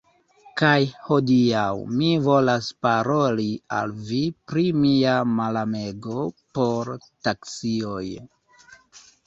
Kaj hodiaŭ mi volas paroli al vi pri mia malamego por taksioj.